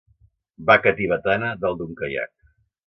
Vaca tibetana dalt d'un caiac.